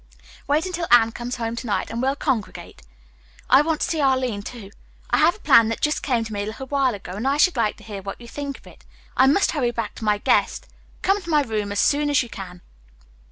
Wait until Anne comes home to night and we'll congregate. I want to see Arline, too. I have a plan that just came to me a little while ago, and I should like to hear what you think of it. I must hurry back to my guest. Come to my room as soon as you can."